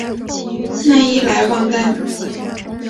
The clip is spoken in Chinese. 讷伊莱旺丹。